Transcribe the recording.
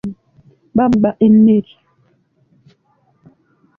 Babba emmere.